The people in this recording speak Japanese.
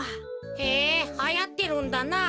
へえはやってるんだな。